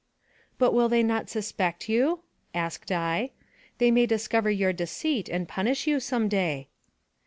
" But will they not suspect you?" asked I. "They may discover your deceit and punish you some day."